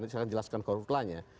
nanti saya akan jelaskan karut lainnya